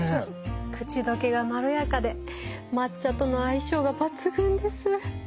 口どけがまろやかで抹茶との相性が抜群です。